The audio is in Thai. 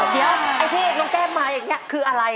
เดี๋ยวไอ้ที่น้องแก้มมาอย่างนี้คืออะไร